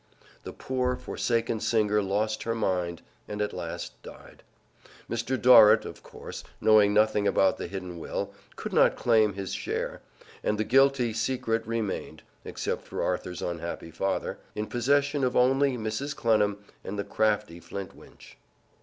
The poor, forsaken singer lost her mind and at last died. Mr. Dorrit, of course, knowing nothing about the hidden will, could not claim his share, and the guilty secret remained (except for Arthur's unhappy father) in possession of only Mrs. Clennam and the crafty Flintwinch.